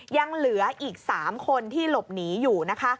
ยังเหลืออีก๓คนที่หลบหนีอยู่นะคะ